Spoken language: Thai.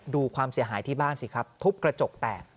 ดูความเสียหายที่บ้านสิครับทุบกระจกแตก